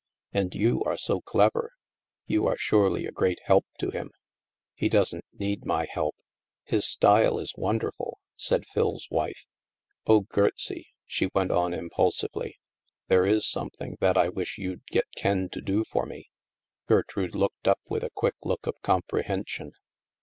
And you are so clever, you are surely a great help to him." " He doesn't need my help. His style is wonder ful," said Phil's wife. " Oh, Gertsie," she went on impulsively, " there is something that I wish you'd get Ken to do for me." Gertrude looked up with a quick look of compre hension.